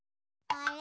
あれ？